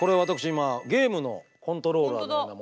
今ゲームのコントローラーのようなものを。